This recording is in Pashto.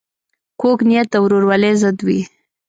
کوږه نیت د ورورولۍ ضد وي